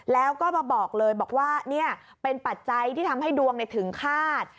แล้วก็มาบอกเลยบอกว่านี่เป็นปัจจัยที่ทำให้ดวงถึงคาด